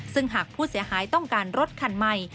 ซึ่งหากผู้เสียหายต้องการรถคันใหม่